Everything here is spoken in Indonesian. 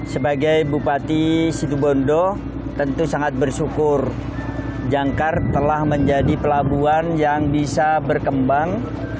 sebagai bupati situbondo tentu sangat bersyukur jangkar telah menjadi pelabuhan yang bisa berkembang